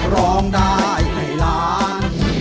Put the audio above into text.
ร้องได้ให้ล้าน